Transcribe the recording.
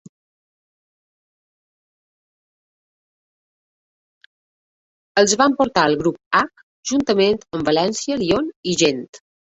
Els van portar al grup H juntament amb València, Lyon i Gent.